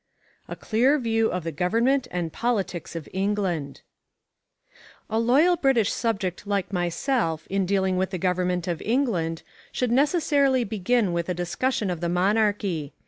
IV. A Clear View of the Government and Politics of England A LOYAL British subject like myself in dealing with the government of England should necessarily begin with a discussion of the monarchy.